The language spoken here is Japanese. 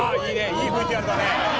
いいＶＴＲだね」